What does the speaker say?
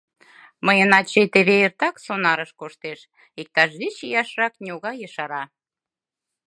Мыйын ачый теве эртак сонарыш коштеш, — иктаж вич ияшрак ньога ешара.